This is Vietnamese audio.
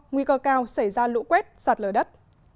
nguy cơ cao xảy ra lũ quét sạt lở đất